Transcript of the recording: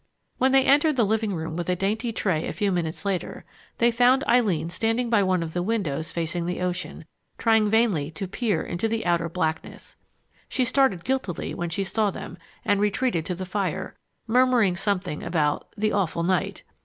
When they entered the living room with a dainty tray a few minutes later, they found Eileen standing by one of the windows facing the ocean, trying vainly to peer into the outer blackness. She started guiltily when she saw them and retreated to the fire, murmuring something about "the awful night."